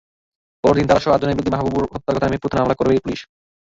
পরদিন তাঁরাসহ আটজনের বিরুদ্ধে মাহাবুবুর হত্যার ঘটনায় মিরপুর থানায় মামলা করে পুলিশ।